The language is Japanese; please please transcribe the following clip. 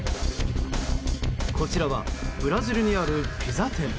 こちらはブラジルにあるピザ店。